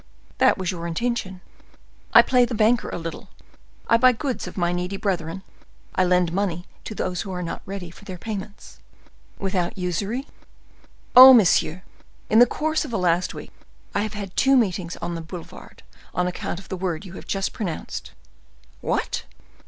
"That was your intention." "I play the banker a little. I buy goods of my needy brethren; I lend money to those who are not ready for their payments." "Without usury?" "Oh! monsieur, in the course of the last week I have had two meetings on the boulevards, on account of the word you have just pronounced." "What?"